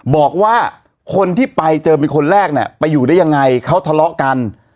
บอกว่าคนที่ไปเจอเป็นคนแรกเนี่ยไปอยู่ได้ยังไงเขาทะเลาะกัน